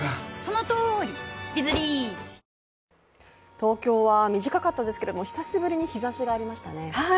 東京は短かったですけれども、久しぶりに日ざしがありましたね。